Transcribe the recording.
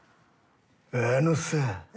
あのさぁ。